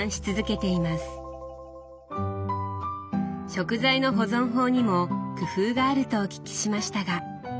食材の保存法にも工夫があるとお聞きしましたが。